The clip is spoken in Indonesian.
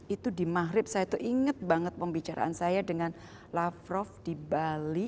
itu di mahrib saya tuh inget banget pembicaraan saya dengan lavrov di bali